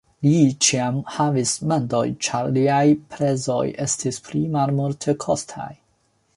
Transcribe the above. Li ĉiam havis mendojn, ĉar liaj prezoj estis pli malmultekostaj.